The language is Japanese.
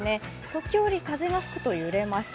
時折、風が吹くと揺れます。